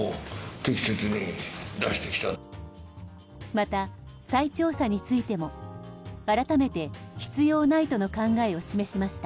また再調査についても、改めて必要ないとの考えを示しました。